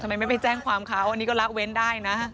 ทำไมไม่ไปแจ้งความเขาอันนี้ก็ละเว้นได้นะ